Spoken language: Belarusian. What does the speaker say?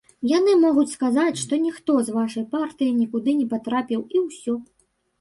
Яны могуць сказаць, што ніхто з вашай партыі нікуды не патрапіў і ўсё!